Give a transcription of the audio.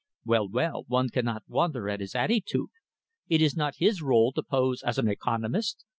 "Well, well, one cannot wonder at his attitude. It is not his role to pose as an economist.